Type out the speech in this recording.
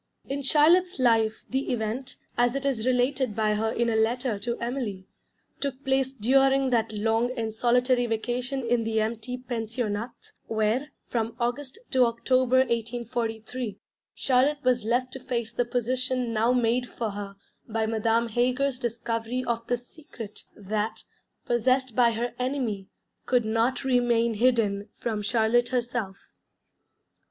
In Charlotte's life the event, as it is related by her in a letter to Emily, took place during that long and solitary vacation in the empty Pensionnat, where, from August to October 1843, Charlotte was left to face the position now made for her by Madame Heger's discovery of the Secret that, possessed by her enemy, could not remain hidden from Charlotte herself.